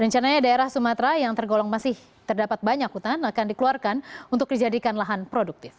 rencananya daerah sumatera yang tergolong masih terdapat banyak hutan akan dikeluarkan untuk dijadikan lahan produktif